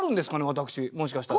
私もしかしたら。